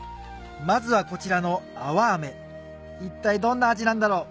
まずはこちらの一体どんな味なんだろう？